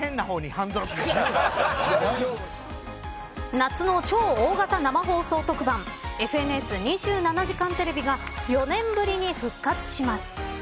夏の超大型生放送特番ＦＮＳ２７時間テレビが４年ぶりに復活します。